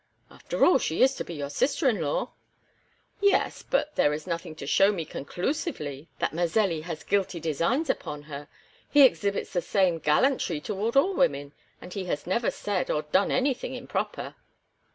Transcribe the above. "After all, she is to be your sister in law." "Yes, but there is nothing to show me conclusively that Mazelli has guilty designs upon her. He exhibits the same gallantry toward all women, and he has never said or done anything improper."